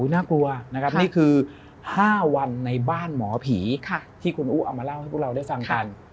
น่ากลัวนะครับนี่คือ๕วันในบ้านหมอผีที่คุณอู๋เอามาเล่าให้พวกเราได้ฟังกัน